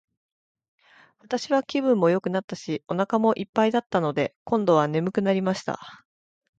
私は気分もよくなったし、お腹も一ぱいだったので、今度は睡くなりました。